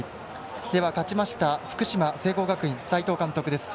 では、勝ちました福島、聖光学院斎藤監督です。